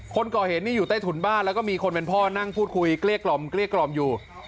คนก่อเหตุนี่อยู่ใต้ถุนบ้านแล้วก็มีคนเป็นพ่อนั่งพูดคุยเกลี้ยกล่อมเกลี้ยกล่อมอยู่